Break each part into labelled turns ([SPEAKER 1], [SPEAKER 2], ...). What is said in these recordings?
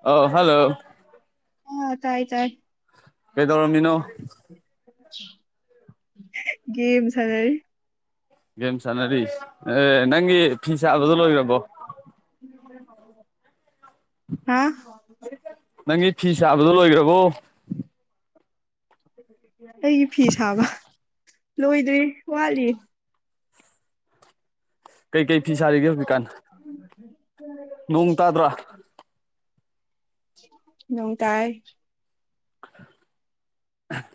[SPEAKER 1] ꯑꯧ ꯍꯜꯂꯣ
[SPEAKER 2] ꯑ ꯇꯥꯏ ꯇꯥꯏ
[SPEAKER 1] ꯀꯩꯗꯧꯔꯝꯃꯤꯅꯣ
[SPEAKER 2] ꯒꯦꯝ ꯁꯥꯟꯅꯔꯤ
[SPEAKER 1] ꯒꯦꯝ ꯁꯥꯟꯅꯔꯤ ꯑꯦ ꯅꯪꯒꯤ ꯐꯤ ꯁꯥꯕꯗꯣ ꯂꯣꯏꯒ꯭ꯔꯕꯣ
[SPEAKER 2] [unintelligible] ꯍꯥ
[SPEAKER 1] ꯅꯪꯒꯤ ꯐꯤ ꯁꯥꯕꯗꯣ ꯂꯣꯏꯒ꯭ꯔꯕꯣ
[SPEAKER 2] ꯑꯩꯒꯤ ꯐꯤ ꯁꯥꯕ ꯂꯣꯏꯗ꯭ꯔꯤ ꯋꯥꯠꯂꯤ
[SPEAKER 1] ꯀꯩ ꯀꯩ ꯐꯤ ꯁꯥꯔꯤꯒꯦ ꯍꯧꯖꯤꯛ ꯀꯥꯟ
[SPEAKER 2] [inaudible]
[SPEAKER 1] ꯅꯣꯡ ꯇꯥꯗ꯭ꯔ
[SPEAKER 2] ꯅꯣꯡ ꯇꯥꯏ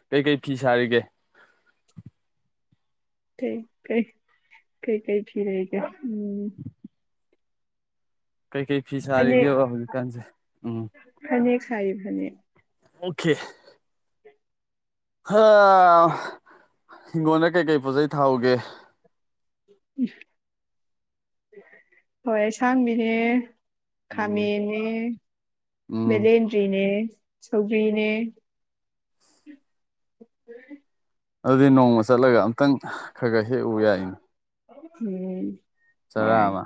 [SPEAKER 1] ꯀꯩ ꯀꯩ ꯐꯤ ꯁꯥꯔꯤꯒꯦ
[SPEAKER 2] ꯀꯩ ꯀꯩ ꯀꯩ ꯀꯩ ꯐꯤ ꯂꯩꯒꯦ ꯎ‌ꯝ
[SPEAKER 1] ꯀꯩꯀꯩ ꯐꯤ
[SPEAKER 2] ꯐꯅꯦꯛ
[SPEAKER 1] ꯁꯥꯔꯤꯒꯦꯕ ꯍꯧꯖꯤꯛꯀꯥꯟꯁꯦ ꯎꯝ
[SPEAKER 2] ꯐꯅꯦꯛ ꯁꯥꯔꯤ ꯐꯅꯦꯛ
[SPEAKER 1] ꯑꯣꯀꯦ ꯍ ꯍꯤꯡꯒꯣꯟꯗ ꯀꯩꯀꯩ ꯄꯣꯠꯆꯩ ꯊꯥꯍꯧꯒꯦ
[SPEAKER 2] [unintelligible] ꯍꯋꯥꯏ ꯑꯁꯥꯡꯕꯤꯅꯦ
[SPEAKER 1] ꯎꯝ
[SPEAKER 2] ꯈꯥꯃꯦꯟꯅꯦ
[SPEAKER 1] ꯎꯝ
[SPEAKER 2] ꯕꯦꯂꯦꯟꯗ꯭ꯔꯤꯅꯦ ꯁꯧꯒ꯭ꯔꯤꯅꯦ [inaudible]
[SPEAKER 1] ꯑꯗꯨꯗꯤ ꯅꯣꯡꯃ ꯆꯠꯂꯒ ꯑꯝꯇꯪ ꯈꯔ ꯈꯔ ꯍꯦꯛꯎ ꯌꯥꯏꯅꯦ
[SPEAKER 2] [unintelligible]
[SPEAKER 1] ꯆꯔꯥ
[SPEAKER 2] ꯌꯥꯏ
[SPEAKER 1] ꯑꯃ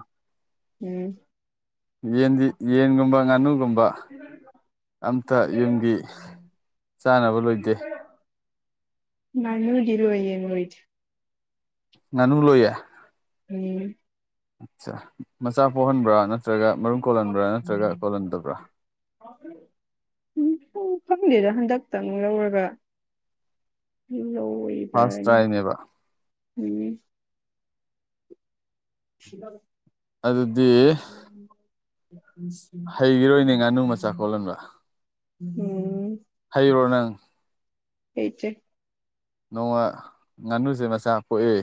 [SPEAKER 2] ꯌꯥꯏ
[SPEAKER 1] ꯌꯦꯟꯗꯤ ꯌꯦꯟꯒꯨꯝꯕ ꯉꯥꯅꯨꯒꯨꯝꯕ ꯑꯝꯇ ꯌꯨꯝꯒꯤ ꯆꯥꯅꯕ ꯂꯣꯏꯗꯦ
[SPEAKER 2] ꯉꯥꯅꯨꯗꯤ ꯂꯣꯢ ꯌꯦꯟ ꯂꯣꯢꯗꯦ
[SPEAKER 1] ꯉꯥꯅꯨ ꯂꯣꯏꯌꯦ
[SPEAKER 2] ꯎꯝ
[SPEAKER 1] ꯑꯠꯆꯥ ꯃꯆꯥ ꯄꯣꯛꯍꯟꯕ꯭ꯔꯥ ꯅꯠꯇ꯭ꯔꯒ ꯃꯔꯨꯝ ꯀꯣꯜꯂꯟꯕ꯭ꯔꯥ ꯅꯠꯇ꯭ꯔꯒ ꯀꯣꯜꯂꯟꯗꯕ꯭ꯔꯥ
[SPEAKER 2] ꯎꯝ ꯈꯪ ꯈꯪꯗꯦꯗ ꯍꯟꯗꯛꯇꯪ ꯂꯧꯔꯒ
[SPEAKER 1] ꯐꯥꯔꯁ ꯇ꯭ꯔꯥꯏꯅꯦꯕ
[SPEAKER 2] [unintelligible]
[SPEAKER 1] ꯑꯗꯨꯗꯤ
[SPEAKER 2] [inaudible]
[SPEAKER 1] ꯍꯩꯒꯤꯔꯣꯏꯅꯦ ꯉꯥꯅꯨ ꯃꯆꯥ ꯀꯣꯜꯂꯟꯕ
[SPEAKER 2] ꯎꯝ
[SPEAKER 1] ꯍꯩꯕ꯭ꯔꯣ ꯅꯪ
[SPEAKER 2] ꯍꯩꯇ꯭ꯔꯦ
[SPEAKER 1] ꯅꯣꯡꯃ ꯉꯥꯅꯨꯖꯦ ꯃꯆꯥ ꯀꯣꯛꯑꯦ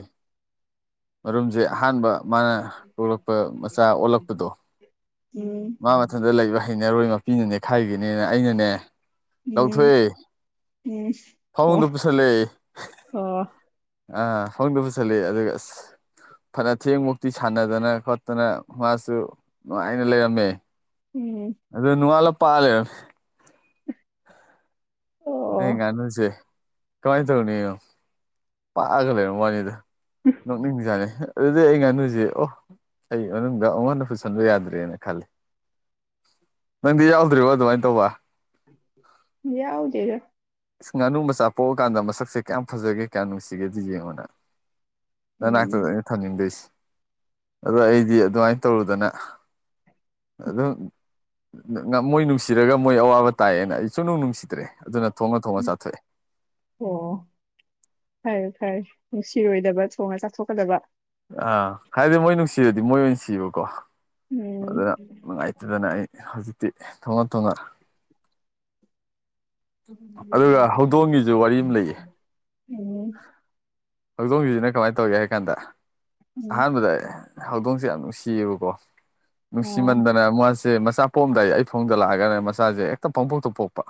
[SPEAKER 1] ꯃꯔꯨꯝꯖꯦ ꯑꯍꯥꯟꯕ ꯃꯥꯅ ꯀꯣꯛꯂꯛꯄ ꯃꯆꯥ ꯑꯣꯜꯂꯛꯄꯗꯣ
[SPEAKER 2] [inaudible]
[SPEAKER 1] ꯃꯥ ꯃꯊꯟꯗ ꯂꯩꯕ ꯍꯩꯅꯔꯣꯏ ꯃꯄꯤꯅ ꯅꯦꯈꯥꯏꯒꯤꯅꯦꯅ ꯑꯩꯅꯅꯦ
[SPEAKER 2] ꯎꯝ
[SPEAKER 1] ꯂꯧꯊꯣꯛꯑꯦ
[SPEAKER 2] ꯎꯝ
[SPEAKER 1] ꯐꯃꯨꯡꯗ
[SPEAKER 2] ꯑꯣ
[SPEAKER 1] ꯄꯨꯁꯜꯂꯦ
[SPEAKER 2] ꯑꯣ
[SPEAKER 1] ꯑ ꯐꯃꯨꯡꯗ ꯄꯨꯁꯜꯂꯦ ꯑꯗꯨꯒ ꯑꯁ ꯐꯅ ꯊꯦꯡꯕꯣꯛꯇꯤ ꯁꯥꯟꯅꯗꯅ ꯈꯣꯠꯇꯅ ꯃꯥꯁꯨ ꯅꯨꯡꯉꯥꯏꯅ ꯂꯩꯔꯝꯃꯦ
[SPEAKER 2] ꯎꯝ
[SPEAKER 1] ꯑꯗꯨ ꯅꯨꯡꯉꯥꯜꯂ ꯄꯥꯛꯑ ꯂꯩꯔꯝꯃꯦ ꯑꯩ
[SPEAKER 2] ꯑꯣ
[SPEAKER 1] ꯉꯥꯅꯨꯖꯦ ꯀꯃꯥꯏ ꯇꯧꯅꯤ ꯌꯦꯡꯉꯨ ꯄꯥꯛꯑꯒ ꯂꯩꯔꯝ ꯋꯥꯅꯤꯗ ꯅꯣꯛꯅꯤꯡꯖꯥꯠꯅꯦ ꯑꯗꯨꯗꯩ ꯑꯩ ꯉꯥꯅꯨꯖꯦ ꯑꯣ ꯑꯩ ꯃꯅꯨꯡꯗ ꯑꯃꯨꯛ ꯍꯟꯅ ꯄꯨꯁꯟꯕ ꯌꯥꯗ꯭ꯔꯦꯅ ꯈꯜꯂꯦ ꯅꯪꯗꯤ ꯌꯥꯎꯗ꯭ꯔꯤꯕꯣ ꯑꯗꯨꯃꯥꯏ ꯇꯧꯕ
[SPEAKER 2] ꯌꯥꯎꯗꯦꯗ
[SPEAKER 1] ꯏꯁ ꯉꯥꯅꯨ ꯃꯆꯥ ꯄꯣꯛꯑꯀꯥꯟꯗ ꯃꯁꯛꯁꯦ ꯀꯌꯥꯝ ꯐꯖꯒꯦ ꯀꯥꯌꯥꯝ ꯅꯨꯁꯤꯒꯦꯗꯣ ꯌꯦꯡꯉꯣ ꯅꯪ
[SPEAKER 2] ꯎꯝ
[SPEAKER 1] ꯅꯅꯥꯛꯇꯗꯅꯦ ꯊꯝꯅꯤꯡꯗꯣꯏꯁꯦ ꯑꯗꯣ ꯑꯩꯗꯤ ꯑꯗꯨꯃꯥꯏ ꯇꯧꯔꯨꯗꯅ ꯑꯗꯨꯝ ꯃꯣꯏ ꯅꯨꯡꯁꯤꯔꯒ ꯃꯣꯏ ꯑꯋꯥꯕ ꯇꯥꯏꯑꯦꯅ ꯑꯩ ꯁꯨꯅꯨꯡ ꯅꯨꯡꯁꯤꯗ꯭ꯔꯦ ꯑꯗꯨꯅ ꯊꯣꯡꯉ ꯊꯣꯡꯉ ꯆꯥꯊꯣꯛꯑꯦ
[SPEAKER 2] ꯑꯣ ꯐꯔꯦ ꯐꯔꯦ ꯅꯨꯡꯁꯤꯔꯣꯏꯗꯕ ꯊꯣꯡꯉ ꯆꯥꯊꯣꯛꯀꯗꯕ
[SPEAKER 1] ꯑꯥ ꯍꯥꯏꯗꯤ ꯃꯣꯏ ꯅꯨꯡꯁꯤꯔꯗꯤ ꯃꯣꯏ ꯑꯣꯏꯅ ꯁꯤꯕꯀꯣ
[SPEAKER 2] ꯎꯝ
[SPEAKER 1] ꯑꯗꯨꯅ ꯅꯨꯡꯉꯥꯏꯇꯗꯅ ꯑꯩ ꯍꯧꯖꯤꯛꯇꯤ ꯊꯣꯡꯉ ꯊꯣꯡꯉ ꯑꯗꯨꯒ ꯍꯧꯗꯣꯡꯒꯤꯖꯨ ꯋꯥꯔꯤ ꯑꯃ ꯂꯩꯌꯦ
[SPEAKER 2] ꯎꯝ
[SPEAKER 1] ꯍꯧꯗꯣꯡꯒꯤꯖꯤꯅ ꯀꯃꯥꯏ ꯇꯧꯒꯦ ꯍꯥꯏ ꯀꯥꯟꯗ
[SPEAKER 2] ꯎꯝ
[SPEAKER 1] ꯑꯍꯥꯟꯕꯗ ꯍꯧꯗꯣꯡꯁꯦ ꯌꯥꯝ ꯅꯨꯡꯁꯤꯌꯦꯕꯀꯣ
[SPEAKER 2] ꯑꯣ
[SPEAKER 1] ꯅꯨꯡꯁꯤꯃꯟꯗꯅ ꯃꯥꯁꯦ ꯃꯆꯥ ꯄꯣꯝꯗꯥꯏ ꯑꯩ ꯐꯃꯨꯡꯗ ꯂꯥꯛꯑꯒꯅꯦ ꯃꯆꯥꯖꯦ ꯍꯦꯛꯇ ꯄꯪꯄꯣꯛꯇ ꯄꯣꯛꯄ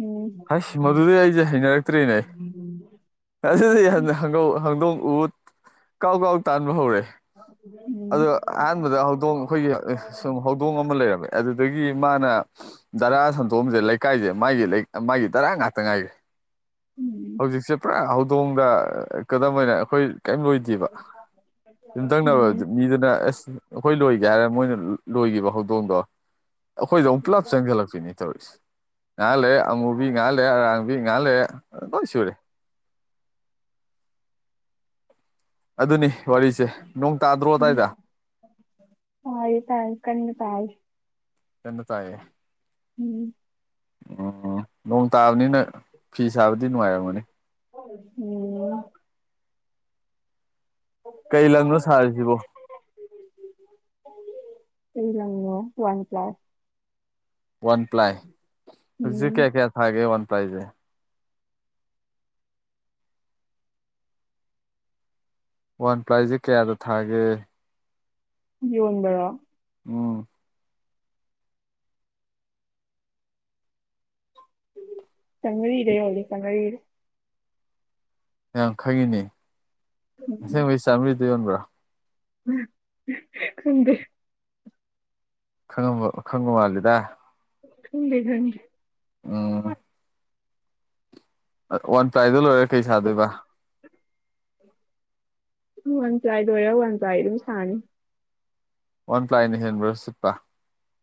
[SPEAKER 2] ꯎꯝ
[SPEAKER 1] ꯍꯥꯁ ꯃꯗꯨꯗꯩ ꯑꯩꯁꯦ ꯍꯩꯅꯔꯛꯇ꯭ꯔꯦꯅꯦ [unintelligible] ꯍꯪꯗꯣꯡ ꯍꯪꯗꯣꯡ ꯎ ꯀꯥꯎ ꯀꯥꯎ ꯇꯥꯟꯕ ꯍꯧꯔꯦ ꯑꯗꯣ
[SPEAKER 2] ꯎꯝ
[SPEAKER 1] ꯑꯍꯥꯟꯕꯗ ꯍꯧꯗꯣꯡ ꯑꯈꯣꯏꯒꯤ ꯁꯨꯝ ꯍꯧꯗꯣꯡ ꯑꯃ ꯂꯩꯔꯝꯃꯦ ꯑꯗꯨꯗꯒꯤ ꯃꯥꯅ ꯙꯔꯥ ꯁꯟꯇꯣꯑꯝꯖꯦ ꯂꯩꯀꯥꯏꯖꯦ ꯃꯥꯥꯒꯤ ꯂꯩꯀꯥꯏ ꯃꯥꯒꯤ ꯙꯔꯥ ꯉꯥꯛꯇ ꯉꯥꯏꯒ꯭ꯔꯦ
[SPEAKER 2] ꯎꯝ
[SPEAKER 1] ꯍꯧꯖꯤꯛꯁꯦ ꯄꯨꯔꯥ ꯍꯧ ꯇꯣꯡꯗ ꯀꯗꯝ ꯑꯣꯏꯅ ꯑꯩꯈꯣꯏ ꯀꯩꯝ ꯂꯣꯏꯗꯦꯕ ꯌꯨꯝꯙꯪꯅꯕ
[SPEAKER 2] ꯎꯝ
[SPEAKER 1] ꯃꯤꯗꯨꯅ ꯑꯁ ꯑꯈꯣꯏ ꯂꯣꯏꯒꯦ ꯍꯥꯏꯔ ꯃꯣꯏꯅ ꯂꯣꯏꯒꯤꯕ ꯍꯧꯗꯣꯡꯗꯣ ꯑꯈꯣꯏꯗ ꯃꯨꯛ ꯄꯨꯂꯞ ꯆꯪꯖꯤꯜꯂꯛꯄꯤꯅꯤ꯫ ꯇꯧꯔꯤꯁꯦ ꯉꯍꯥꯛ ꯂꯩꯔ ꯑꯃꯨꯕꯤ ꯉꯍꯥꯛ ꯂꯩꯔ ꯑꯔꯥꯡꯕꯤ ꯉꯍꯥꯛ ꯂꯩꯔ ꯂꯣꯢ ꯁꯨꯔꯦ꯫ ꯑꯗꯨꯅꯤ ꯋꯥꯔꯤꯁꯦ꯫ ꯅꯣꯡ ꯇꯥꯗ꯭ꯔꯣ ꯑꯗꯥꯏꯗ?
[SPEAKER 2] ꯇꯥꯢꯌꯦ ꯇꯥꯢ ꯀꯟꯅ ꯇꯥꯢ꯫
[SPEAKER 1] ꯀꯟꯅ
[SPEAKER 2] ꯎꯝ
[SPEAKER 1] ꯑꯣ ꯅꯣꯡ ꯇꯥꯕꯅꯤꯅ ꯐꯤ ꯁꯥꯕꯗꯤ ꯅꯨꯡꯉꯥꯏꯔꯝꯒꯅꯤ꯫
[SPEAKER 2] ꯎꯝ [inaudible]
[SPEAKER 1] ꯀꯩ ꯂꯪꯅꯣ ꯁꯥꯔꯤꯁꯤꯕꯣ
[SPEAKER 2] [inaudible] ꯀꯩ ꯂꯪꯅꯣ ꯋꯥꯟ ꯄ꯭ꯂꯥꯢ
[SPEAKER 1] ꯋꯥꯟ ꯄ꯭ꯂꯥꯏ꯫ ꯍꯧꯖꯤꯛ
[SPEAKER 2] ꯎꯝ
[SPEAKER 1] ꯀꯌꯥ ꯀꯌꯥ ꯊꯥꯒꯦ ꯋꯥꯟ ꯄ꯭ꯂꯥꯏꯖꯦ? ꯋꯥꯟ ꯄ꯭ꯂꯥꯏꯖꯦ ꯀꯌꯥꯗ ꯊꯥꯒꯦ?
[SPEAKER 2] ꯌꯣꯟꯕꯔꯣ?
[SPEAKER 1] ꯑꯣ
[SPEAKER 2] ꯆꯝꯃ꯭ꯔꯤꯗ ꯌꯣꯜꯂꯤ ꯆꯝꯃ꯭ꯔꯤꯗ꯫
[SPEAKER 1] ꯌꯥꯝ ꯈꯪꯉꯤꯅꯦ꯫
[SPEAKER 2] ꯎꯝ
[SPEAKER 1] ꯑꯁꯦꯡꯕꯩ ꯆꯥꯝꯃ꯭ꯔꯤꯗ ꯌꯣꯟꯕ꯭ꯔꯣ?
[SPEAKER 2] [unintelligible] ꯈꯪꯗꯦ꯫
[SPEAKER 1] ꯈꯪꯉꯕ ꯈꯪꯕ ꯃꯥꯜꯜꯂꯤꯗ꯫
[SPEAKER 2] ꯈꯪꯗꯦ ꯈꯪꯗꯦ
[SPEAKER 1] ꯑ ꯑ ꯋꯥꯟ ꯄ꯭ꯂꯥꯢꯗꯣ ꯂꯣꯢꯔ ꯀꯩ ꯁꯥꯗꯣꯏꯕ?
[SPEAKER 2] ꯋꯥꯟ ꯄ꯭ꯂꯥꯏ ꯂꯣꯏꯔ ꯋꯥꯟ ꯄ꯭ꯂꯥꯏ ꯑꯗꯨꯝ ꯁꯥꯅꯤ꯫
[SPEAKER 1] ꯋꯥꯟ ꯄ꯭ꯂꯥꯏꯅ ꯍꯦꯟꯕ꯭ꯔꯣ ꯁꯤꯠꯄ?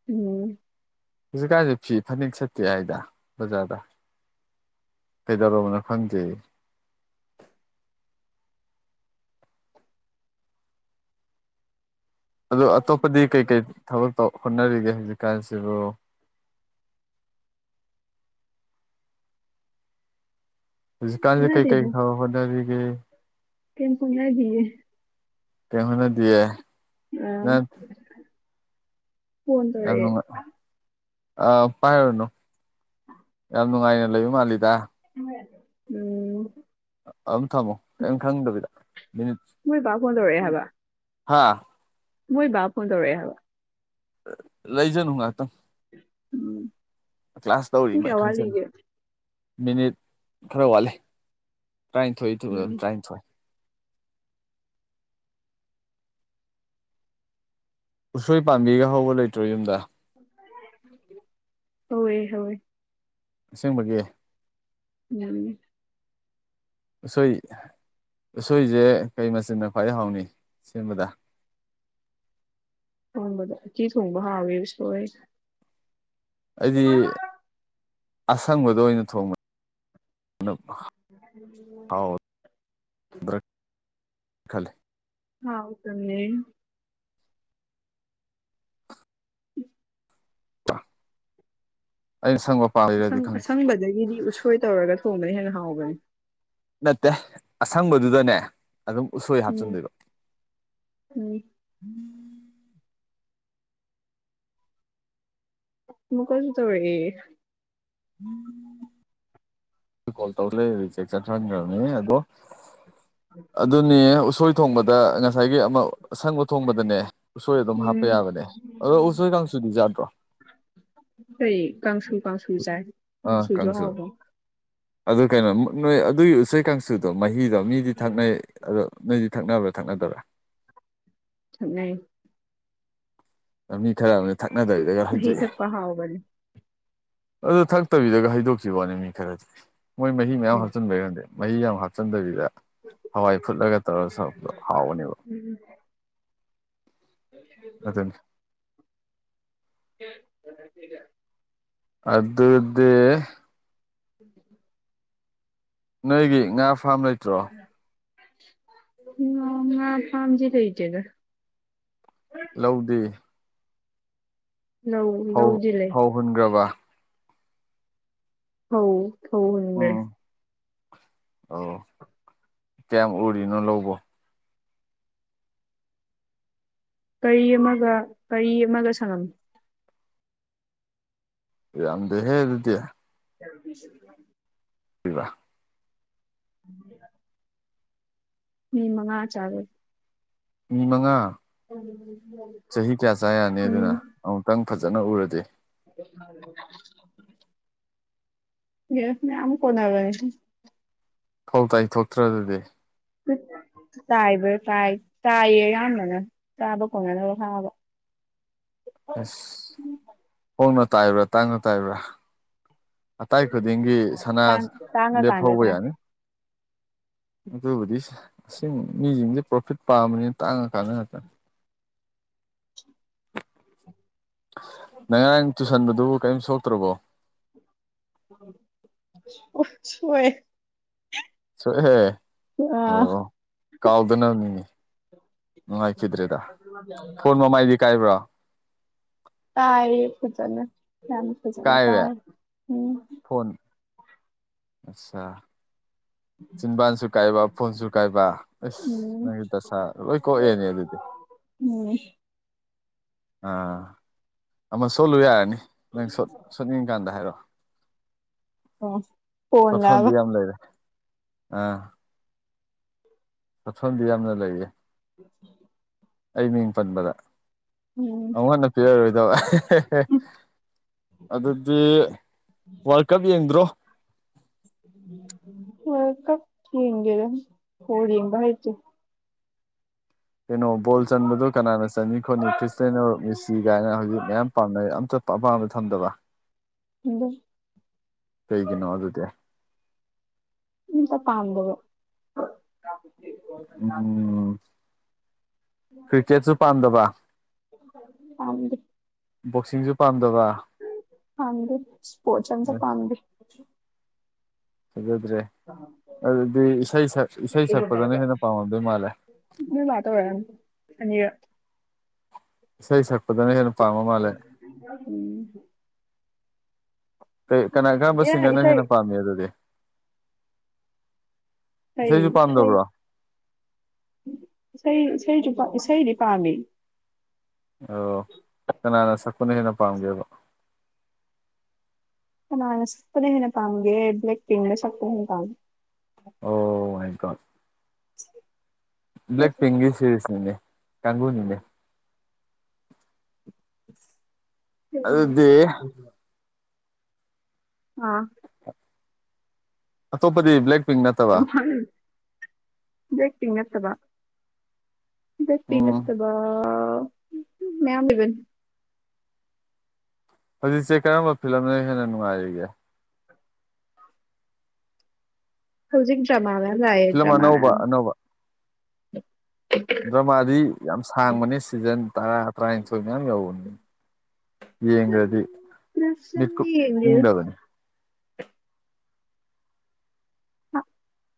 [SPEAKER 2] ꯎꯝ
[SPEAKER 1] ꯍꯧꯖꯤꯛꯀꯥꯟꯁꯦ ꯐꯤ ꯐꯅꯦꯛ ꯁꯠꯇꯦ ꯍꯥꯏꯗ ꯕꯖꯥꯔꯗ꯫ ꯀꯩꯗꯧꯔꯕꯅꯣ ꯈꯪꯗꯦ꯫ ꯑꯗꯣ ꯑꯇꯣꯞꯄꯗꯤ ꯀꯩ ꯀꯩ ꯊꯕꯛ ꯇꯧ ꯍꯣꯠꯅꯔꯤꯒꯦ ꯍꯧꯖꯤꯛꯀꯥꯟꯁꯤꯕꯨ? ꯍꯨꯖꯤꯛꯀꯥꯟꯖꯦ ꯀꯩ
[SPEAKER 2] ꯈꯦꯠꯅꯗꯦꯗ
[SPEAKER 1] ꯀꯩ ꯊꯕꯛ ꯍꯣꯠꯅꯔꯤꯒꯦ?
[SPEAKER 2] ꯀꯩꯝ ꯍꯣꯠꯅꯗꯤꯌꯦ꯫
[SPEAKER 1] ꯀꯩꯝ ꯍꯣꯠꯅꯗꯤꯌꯦ? ꯅꯪ
[SPEAKER 2] [unintelligible] ꯐꯣꯟ
[SPEAKER 1] ꯌꯥꯝ
[SPEAKER 2] ꯇꯧꯔꯛꯑꯦ
[SPEAKER 1] ꯅꯨꯡꯉꯥꯏ ꯑꯥ ꯄꯥꯏꯔꯨꯔꯅꯨ ꯌꯥꯝ ꯅꯨꯡꯉꯥꯏꯅ ꯂꯩꯕ ꯃꯥꯜꯂꯤꯗ꯫
[SPEAKER 2] ꯎꯝ
[SPEAKER 1] ꯑꯗꯨꯝ ꯊꯝꯃꯣ ꯀꯩꯝ ꯈꯪꯗꯕꯤꯗ ꯃꯤꯅꯤꯠ
[SPEAKER 2] ꯃꯣꯏ ꯕꯥ ꯐꯣꯟ ꯇꯧꯔꯛꯑꯦ
[SPEAKER 1] ꯄꯨꯡ
[SPEAKER 2] ꯍꯥꯏꯕ
[SPEAKER 1] ꯍꯥ
[SPEAKER 2] ꯃꯣꯏ ꯕꯥ ꯐꯣꯟ ꯇꯧꯔꯛꯑꯦ ꯍꯥꯏꯕ꯫
[SPEAKER 1] ꯂꯩꯖꯅꯨ ꯉꯍꯥꯛꯇꯪ꯫
[SPEAKER 2] ꯎꯝ
[SPEAKER 1] ꯀ꯭ꯂꯥꯁ ꯇꯧꯔꯤ
[SPEAKER 2] ꯄꯨꯡ
[SPEAKER 1] ꯃꯥꯏ
[SPEAKER 2] ꯀꯌꯥ
[SPEAKER 1] ꯈꯪꯖꯅꯤ꯫
[SPEAKER 2] ꯋꯥꯠꯂꯤꯒꯦ
[SPEAKER 1] ꯃꯤꯅꯤꯠ ꯈꯔ ꯋꯥꯠꯂꯤ꯫ ꯇ꯭ꯔꯥꯅꯤꯊꯣꯏ [unintelligible]
[SPEAKER 2] ꯎꯝ
[SPEAKER 1] ꯇꯔꯥꯅꯤꯊꯣꯏ ꯎꯁꯣꯏ ꯄꯥꯝꯕꯤꯒ ꯍꯧꯕ ꯂꯩꯇ꯭ꯔꯣ ꯌꯨꯝꯗ?
[SPEAKER 2] ꯍꯧꯑꯦ ꯍꯧꯑꯦ
[SPEAKER 1] ꯑꯁꯦꯡꯕꯒꯤ?
[SPEAKER 2] [unintelligible]
[SPEAKER 1] ꯎꯁꯣꯏ ꯎꯁꯣꯏꯖꯦ ꯀꯩ ꯃꯆꯟꯅ ꯈ꯭ꯋꯥꯏ ꯍꯥꯎꯅꯤ ꯁꯦꯝꯕꯗ?
[SPEAKER 2] ꯊꯣꯡꯕꯗ꯫ ꯎꯇꯤ ꯊꯣꯡꯕ ꯍꯥꯎꯋꯦ ꯎꯁꯣꯢ
[SPEAKER 1] ꯑꯩꯗꯤ ꯑꯁꯪꯕꯗ ꯑꯣꯏꯅ ꯊꯣꯡꯕ ꯅ ꯍꯥꯎꯏ꯫ ꯈꯟꯂꯦ
[SPEAKER 2] ꯍꯥꯎ ꯇꯝꯅꯤ ꯎ ꯑ
[SPEAKER 1] ꯑꯩ ꯁꯩꯒꯣ
[SPEAKER 2] ꯑꯪ ꯑꯁꯪꯕꯗꯒꯤꯗꯤ ꯎꯁꯣꯏ ꯇꯧꯔꯒ ꯊꯣꯡꯕꯅ ꯍꯦꯟꯅ ꯍꯥꯎꯕꯅꯦ꯫
[SPEAKER 1] ꯅꯠꯇꯦ ꯑꯁꯪꯕꯗꯨꯗꯅꯦ ꯑꯗꯨꯝ ꯎꯁꯣꯏ
[SPEAKER 2] ꯎꯝ
[SPEAKER 1] ꯍꯥꯞꯆꯤꯟꯗꯣꯏꯕ꯫
[SPEAKER 2] ꯎꯝ
[SPEAKER 1] [inaudible]
[SPEAKER 2] ꯃꯨꯛ ꯀꯖꯨ ꯇꯧꯔꯛꯑꯦ꯫
[SPEAKER 1] ꯀꯣꯜ ꯇꯧꯔꯦ ꯔꯤꯖꯦꯛ ꯆꯠꯊꯟꯈ꯭ꯔꯕꯅꯦ ꯑꯗꯣ ꯑꯗꯨꯅꯦ ꯎꯁꯣꯏ ꯊꯣꯡꯕꯗ ꯉꯁꯥꯏꯒꯤ ꯑꯃ ꯑꯁꯪꯕ ꯊꯣꯡꯕꯗꯅꯦ ꯎꯁꯣꯏ ꯑꯗꯨꯝ ꯍꯥꯞꯄ
[SPEAKER 2] ꯎꯝ
[SPEAKER 1] ꯌꯥꯕꯅꯦ ꯑꯗꯣ ꯎꯁꯣꯏ ꯀꯥꯡꯁꯨꯗꯤ ꯌꯥꯗ꯭ꯔꯣ꯫
[SPEAKER 2] ꯀꯩ ꯀꯥꯡꯁꯨ ꯀꯥꯡꯁꯨ ꯆꯥꯏ꯫
[SPEAKER 1] ꯑꯥ
[SPEAKER 2] ꯀꯥꯡꯁꯨꯁꯨ
[SPEAKER 1] ꯀꯥꯡꯁꯨ
[SPEAKER 2] ꯍꯥꯎꯕꯅꯦ
[SPEAKER 1] ꯑꯗꯨ ꯀꯩꯅꯣ ꯅꯣꯏ ꯑꯗꯨꯒꯤ ꯎꯆꯩ ꯀꯥꯡꯁꯨꯗꯣ ꯃꯍꯤꯗꯣ ꯃꯤ ꯃꯤ ꯊꯛꯅꯩ ꯑꯗꯣ ꯅꯣꯏꯗꯤ ꯊꯛꯅꯕ꯭ꯔꯥ ꯊꯛꯅꯗꯕ꯭ꯔꯥ?
[SPEAKER 2] ꯊꯛꯅꯩ꯫
[SPEAKER 1] ꯃꯤ ꯈꯔ ꯑꯃꯅ ꯊꯛꯅꯗꯕꯤꯗꯒ
[SPEAKER 2] ꯃꯍꯤ
[SPEAKER 1] ꯍꯧꯗꯣꯛꯏ꯫
[SPEAKER 2] ꯊꯛꯄ ꯍꯥꯎꯕꯅꯦ
[SPEAKER 1] ꯑꯗꯨ ꯊꯛꯇꯕꯤꯗꯒ ꯍꯩꯗꯣꯛꯈꯤꯕ ꯋꯥꯅꯦ ꯃꯤ ꯈꯔꯗꯤ ꯃꯣꯏ ꯃꯍꯤ ꯃꯌꯥꯝ ꯍꯥꯞꯆꯤꯟꯕꯩꯔ ꯈꯪꯗꯦ꯫ ꯃꯍꯤ ꯌꯥꯝ ꯍꯥꯞꯆꯤꯟꯗꯕꯤꯗ ꯍꯋꯥꯏ ꯐꯨꯠꯂꯒ ꯇꯧꯔꯒ ꯊꯥꯛꯄꯗꯣ ꯍꯥꯎꯕꯅꯦꯕ꯫
[SPEAKER 2] ꯎꯝ [unintelligible]
[SPEAKER 1] ꯑꯗꯨꯅꯤ
[SPEAKER 2] [unintelligible]
[SPEAKER 1] ꯑꯗꯨꯗꯤ
[SPEAKER 2] [unintelligible]
[SPEAKER 1] ꯅꯣꯏꯒꯤ ꯉꯥ ꯐ꯭ꯔꯥꯝ ꯂꯩꯇ꯭ꯔꯣ?
[SPEAKER 2] ꯉꯥ ꯉꯥ ꯐꯥꯝꯗꯤ ꯂꯩꯇꯦꯗ꯫
[SPEAKER 1] ꯂꯧꯗꯤ꯫
[SPEAKER 2] ꯂꯧ ꯂꯧꯗꯤ ꯂꯩ꯫
[SPEAKER 1] ꯍꯨꯟꯈꯔꯕ
[SPEAKER 2] ꯑꯧ ꯐꯧ ꯍꯨꯟꯒ꯭ꯔꯦ꯫
[SPEAKER 1] ꯎꯝ ꯑꯣ ꯀꯌꯥꯝ ꯎꯔꯤꯅꯣ ꯂꯧꯕꯨ꯫
[SPEAKER 2] ꯄꯔꯤ ꯑꯃꯒ ꯄꯔꯤ ꯑꯃꯒ ꯁꯪꯉꯝ꯫
[SPEAKER 1] ꯌꯥꯝꯗꯦꯍꯦ ꯑꯗꯨꯗꯤ꯫
[SPEAKER 2] [unintelligible]
[SPEAKER 1] ꯏꯕ
[SPEAKER 2] [unintelligible] ꯃꯤ ꯃꯉꯥ ꯆꯥꯔꯦ꯫
[SPEAKER 1] ꯃꯤ ꯃꯉꯥ꯫ ꯆꯍꯤ ꯀꯌꯥ ꯆꯥ ꯌꯥꯅꯤ ꯑꯗꯨꯅ
[SPEAKER 2] ꯎꯝ
[SPEAKER 1] ꯑꯃꯨꯛꯇꯪ ꯐꯖꯅ ꯎꯔꯗꯤ
[SPEAKER 2] [inaudible] ꯌꯦꯁ ꯃꯌꯥꯝ ꯃꯨꯛ ꯀꯣꯟꯅꯕꯅꯦ ꯫
[SPEAKER 1] ꯐꯧ ꯇꯥꯏꯊꯣꯛꯇ꯭ꯔ ꯑꯗꯨꯗꯤ꯫
[SPEAKER 2] ꯇꯨꯠ ꯇꯥꯏꯕ ꯇꯥꯏ ꯇꯥꯏꯌꯦ ꯑꯌꯥꯝꯕꯅ ꯆꯥꯕ ꯀꯣꯟꯅꯅꯕ ꯈꯪꯑꯒ꯫
[SPEAKER 1] ꯑꯁ ꯍꯣꯡꯅ ꯇꯥꯏꯕ꯭ꯔꯥ ꯇꯥꯡꯅ ꯇꯥꯏꯕ꯭ꯔꯥ꯫ ꯑꯇꯥꯏ ꯈꯨꯗꯤꯡꯒꯤ ꯁꯅꯥ
[SPEAKER 2] ꯇꯥꯡꯉꯀꯥꯟꯗ
[SPEAKER 1] ꯂꯦꯞꯍꯧꯕ
[SPEAKER 2] ꯇꯥꯏ
[SPEAKER 1] ꯌꯥꯅꯤ꯫ ꯑꯗꯨꯕꯨꯗꯤ ꯁꯤꯡ ꯃꯤꯖꯤꯡꯖꯦ ꯄ꯭ꯔꯣꯐꯤꯠ ꯄꯥꯝꯕꯅꯤꯅ ꯇꯥꯡꯉꯀꯥꯟꯗ ꯉꯥꯛꯇ꯫ ꯅꯪ ꯉꯔꯥꯡ ꯇꯨꯁꯟꯕꯗꯨꯕꯨ ꯀꯌꯤꯝ ꯁꯣꯛꯇ꯭ꯔꯕꯣ꯫
[SPEAKER 2] [inaudible] ꯁꯣ ꯁꯣꯛꯑꯦ꯫
[SPEAKER 1] ꯁꯣꯛꯑꯦ
[SPEAKER 2] ꯑꯥ
[SPEAKER 1] ꯑꯣ ꯀꯥꯎꯗꯅꯃꯤꯅꯦ꯫ ꯅꯨꯡꯉꯥꯏꯈꯤꯗ꯭ꯔꯦꯗ ꯐꯣꯟ ꯃꯃꯥꯏꯗꯤ ꯀꯥꯏꯕ꯭ꯔꯣ꯫
[SPEAKER 2] ꯇꯥꯔꯦ ꯐꯖꯅ ꯌꯥꯝ ꯐꯖꯅ
[SPEAKER 1] ꯀꯥꯏꯔꯦ
[SPEAKER 2] ꯇꯥꯔꯦ ꯎꯝ꯫
[SPEAKER 1] ꯑꯠꯁꯥ ꯆꯤꯟꯕꯥꯟꯁꯨ ꯀꯥꯏꯕ ꯐꯣꯟꯁꯨ ꯀꯥꯏꯕ ꯏꯁ꯫
[SPEAKER 2] ꯎꯝ
[SPEAKER 1] ꯅꯪꯒꯤ ꯗꯁꯥ ꯂꯣꯏ ꯀꯣꯛꯑꯦꯅꯦ ꯑꯗꯨꯗꯤ꯫
[SPEAKER 2] ꯎꯝ꯫
[SPEAKER 1] ꯑꯥ ꯑꯃ ꯁꯣꯠꯂꯨ ꯌꯥꯔꯅꯤ ꯅꯪ ꯁꯣꯠ ꯁꯣꯠꯅꯤꯡꯀꯥꯟꯗ ꯍꯥꯏꯔꯛꯑꯣ꯫
[SPEAKER 2] ꯑꯣ꯫
[SPEAKER 1] ꯀꯞꯐꯝꯗꯤ
[SPEAKER 2] ꯀꯣꯟꯂꯕ
[SPEAKER 1] ꯌꯥꯝ ꯂꯩꯔꯦ ꯑꯥ꯫ ꯃꯐꯝꯗꯤ ꯌꯥꯝꯅ ꯂꯩꯌꯦ꯫
[SPEAKER 2] [unintelligible]
[SPEAKER 1] ꯑꯩ ꯃꯤꯡ ꯄꯟꯕꯗ
[SPEAKER 2] ꯎꯝ
[SPEAKER 1] ꯑꯃꯨꯛ ꯍꯟꯅ ꯄꯤꯔꯛꯑꯔꯣꯏꯗꯕ꯫ [unintelligible] ꯑꯗꯨꯗꯤ ꯋꯥꯔꯜ ꯀꯞ ꯌꯦꯡꯗ꯭ꯔꯣ꯫
[SPEAKER 2] ꯋꯥꯔꯜ ꯀꯞ ꯌꯦꯡꯗꯦꯗ ꯕꯣꯜ ꯌꯦꯡꯕ ꯍꯩꯇꯦ꯫
[SPEAKER 1] ꯀꯩꯅꯣ ꯕꯣꯜ ꯆꯟꯕꯗꯣ ꯀꯅꯥꯅ ꯆꯟꯅꯤ ꯈꯣꯠꯅꯤ ꯈ꯭ꯔꯤꯁꯇꯦꯟꯅꯣ ꯃꯦꯁꯤ ꯒꯥꯏꯅ ꯍꯧꯖꯤꯛ ꯃꯌꯥꯝ ꯄꯥꯝꯅꯩ ꯑꯝꯇ ꯄꯥ ꯑꯄꯥꯝꯕꯗ ꯊꯝꯗꯕ꯫
[SPEAKER 2] ꯊꯝꯗꯦ꯫
[SPEAKER 1] ꯀꯩꯒꯤꯅꯣ ꯑꯗꯨꯗꯤ꯫
[SPEAKER 2] ꯎꯝ ꯃꯄꯥꯟꯗꯔꯣ [unintelligible]
[SPEAKER 1] ꯎꯝ ꯀ꯭ꯔꯤꯀꯦꯠꯁꯨ ꯄꯥꯝꯗꯕ
[SPEAKER 2] ꯄꯥꯝꯗꯦ
[SPEAKER 1] ꯕꯣꯛꯁꯤꯡꯖꯨ ꯄꯥꯝꯗꯕ꯫
[SPEAKER 2] ꯄꯥꯝꯗꯦ ꯁ꯭ꯄꯣꯔꯠꯆ ꯑꯝꯇ
[SPEAKER 1] ꯑꯁ
[SPEAKER 2] ꯄꯥꯝꯗꯦ꯫
[SPEAKER 1] ꯐꯖꯗ꯭ꯔꯦ ꯑꯗꯨꯗꯤ ꯏꯁꯩ ꯁꯛ ꯏꯁꯩ ꯁꯛꯄꯗꯅ ꯍꯦꯟꯅ ꯄꯥꯝꯃꯝꯗꯨꯏ ꯃꯥꯜꯂꯦ꯫
[SPEAKER 2] ꯅꯣꯏ ꯃꯥ ꯇꯧꯔꯛꯑꯝꯃꯤ ꯑꯅꯤꯔꯛ꯫
[SPEAKER 1] ꯏꯁꯩ ꯁꯛꯄꯗꯅ ꯍꯦꯟꯅ ꯄꯥꯝꯕ ꯃꯥꯜꯂꯦ꯫
[SPEAKER 2] [unintelligible] ꯎꯝ꯫
[SPEAKER 1] ꯀꯩ ꯀꯅꯥ ꯀꯔꯝꯕ
[SPEAKER 2] ꯑꯦ
[SPEAKER 1] ꯁꯤꯡꯒꯔꯅ
[SPEAKER 2] ꯏꯁꯩ
[SPEAKER 1] ꯍꯦꯟꯅ ꯄꯥꯝꯃꯤ ꯑꯗꯨꯗꯤ꯫
[SPEAKER 2] ꯀꯩ
[SPEAKER 1] ꯏꯁꯩꯁꯨ
[SPEAKER 2] ꯏꯁꯩ
[SPEAKER 1] ꯄꯥꯝꯗꯕ꯭ꯔꯣ
[SPEAKER 2] ꯏꯁꯩ ꯏꯁꯩꯖꯨ ꯄꯥꯝ ꯏꯁꯩꯗꯤ ꯄꯥꯝꯃꯦ꯫
[SPEAKER 1] ꯑꯧ ꯀꯅꯥꯅ ꯁꯛꯄꯅ ꯍꯦꯟꯅ ꯄꯥꯝꯒꯦꯕ꯫
[SPEAKER 2] ꯀꯅꯥꯅ ꯁꯛꯄꯅ ꯍꯦꯟꯅ ꯄꯥꯝꯒꯦ ꯕ꯭ꯂꯦꯛ ꯄꯤꯡꯅ ꯁꯛꯄꯅ ꯍꯦꯟꯅ ꯄꯥꯝꯃꯤ꯫
[SPEAKER 1] ꯑꯣ ꯃꯥꯏꯒꯣꯠ꯫ ꯕ꯭ꯂꯦꯛ ꯄꯤꯡꯒꯤ ꯁꯦꯔꯤꯁ ꯅꯤꯅꯦ ꯀꯪꯒꯨꯅꯤꯅꯦ꯫ ꯑꯗꯨꯗꯤ
[SPEAKER 2] [unintelligible] ꯑꯥ꯫
[SPEAKER 1] ꯑꯇꯣꯞꯄꯗꯤ ꯕ꯭ꯂꯦꯛ ꯄꯤꯡ ꯅꯠꯇꯕ
[SPEAKER 2] [unintelligible] ꯕ꯭ꯂꯦꯛ ꯄꯤꯛ ꯅꯠꯇꯕ꯫ ꯕ꯭ꯂꯦꯛ ꯄꯤ
[SPEAKER 1] ꯎꯝ
[SPEAKER 2] ꯅꯠꯇꯕ ꯃꯌꯥꯝ ꯂꯩꯕꯅꯤ꯫
[SPEAKER 1] ꯍꯧꯖꯤꯛꯁꯦ ꯀꯔꯝꯕ ꯐꯤꯂꯝꯅ ꯍꯦꯟꯅ ꯅꯨꯡꯉꯥꯏꯔꯤꯒꯦ꯫
[SPEAKER 2] ꯍꯧꯖꯤꯛ ꯗ꯭ꯔꯃ ꯃꯌꯥꯝ ꯂꯥꯛꯑꯦ
[SPEAKER 1] ꯐꯤꯂꯝ
[SPEAKER 2] ꯗ꯭ꯔꯃ
[SPEAKER 1] ꯑꯅꯧꯕ
[SPEAKER 2] ꯃꯌꯥꯝ꯫
[SPEAKER 1] ꯑꯅꯧꯕ ꯗ꯭ꯔꯃꯥꯗꯤ ꯌꯥꯝ ꯁꯥꯡꯕꯅꯦ ꯁꯤꯖꯟ ꯇꯔꯥ ꯇ꯭ꯔꯥꯏꯟꯊꯣꯏ ꯃꯌꯥꯝ ꯌꯧꯕꯅꯤ ꯌꯦꯡꯒ꯭ꯔꯗꯤ ꯃꯤꯀꯨꯞ
[SPEAKER 2] ꯂꯝꯗꯤ ꯌꯦꯡꯗꯦꯗ
[SPEAKER 1] ꯏꯪꯗꯕꯅꯤ
[SPEAKER 2] [unintelligible]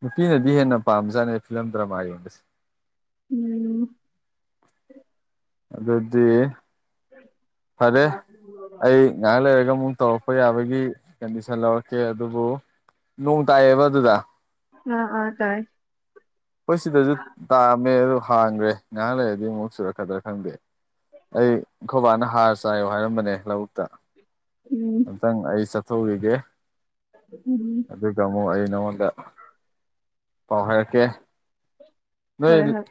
[SPEAKER 1] ꯅꯨꯄꯤꯅꯗꯤ ꯍꯦꯟꯅ ꯄꯥꯝꯖꯥꯠꯅꯦ ꯐꯤꯂꯝ ꯗ꯭ꯔꯃꯥ ꯌꯦꯡꯕꯁꯦ
[SPEAKER 2] ꯎꯝ
[SPEAKER 1] ꯑꯗꯨꯗꯤ ꯐꯔꯦ ꯑꯩ ꯉꯍꯥꯛ ꯂꯩꯔꯒ ꯑꯃꯨꯛ ꯇꯧꯔꯛꯄ ꯌꯥꯕꯒꯤ ꯀꯟꯗꯤꯁꯟ ꯂꯧꯔꯛꯀꯦ ꯑꯗꯨꯕꯨ ꯅꯣꯡ ꯇꯥꯏꯌꯦꯕ ꯑꯗꯨꯗ
[SPEAKER 2] ꯑꯥ ꯑꯥ ꯇꯥꯏ
[SPEAKER 1] ꯈꯣꯏ ꯁꯤꯗꯖꯨ ꯇꯥꯔꯝꯃꯦ ꯑꯗꯨ ꯍꯥꯡꯒ꯭ꯔꯦ ꯉꯥꯏꯍꯥꯛ ꯂꯩꯔꯗꯤ ꯑꯃꯨꯛ ꯆꯨꯔꯛꯀꯗ꯭ꯔꯥ ꯈꯪꯗꯦ ꯑꯩ ꯈꯣꯕꯥꯅ ꯍꯥꯔ ꯆꯥꯏꯌꯣ ꯍꯥꯏꯔꯝꯕꯅꯦ ꯂꯧꯕꯨꯛꯇ
[SPEAKER 2] ꯎꯝ
[SPEAKER 1] [unintelligible] ꯑꯩ ꯆꯠꯊꯣꯛꯎꯒꯤꯒꯦ
[SPEAKER 2] [unintelligible]
[SPEAKER 1] ꯇꯥꯃꯣ ꯑꯩ ꯅꯪꯉꯣꯟꯗ ꯄꯥꯎ ꯍꯥꯏꯔꯛꯀꯦ ꯅꯣꯏ
[SPEAKER 2] ꯍꯣꯏ
[SPEAKER 1] [unintelligible]
[SPEAKER 2] ꯍꯣꯏ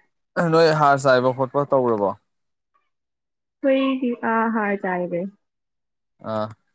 [SPEAKER 1] ꯅꯣꯏ ꯍꯥꯔ ꯆꯥꯏꯕ ꯈꯣꯠꯄ ꯇꯧꯔꯕꯣ
[SPEAKER 2] ꯑꯈꯣꯏꯗꯤ ꯑꯥ ꯍꯥꯔ ꯆꯥꯏꯒ꯭ꯔꯦ
[SPEAKER 1] ꯑꯥ